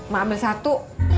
ma ambil satu